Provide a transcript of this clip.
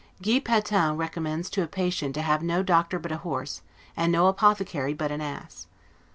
Guy Patin recommends to a patient to have no doctor but a horse, and no apothecary but an ass.